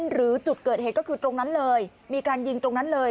หรือจุดเกิดเหตุก็คือตรงนั้นเลยมีการยิงตรงนั้นเลย